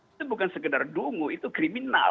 itu bukan sekedar dungu itu kriminal